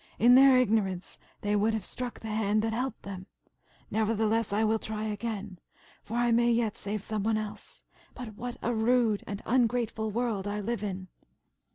In their ignorance they would have struck the hand that helped them. Nevertheless, I will try again, for I may yet save some one else. But what a rude and ungrateful world I live in!"